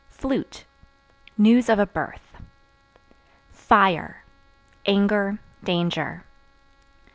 Flute News of a birth. Fire Anger, danger.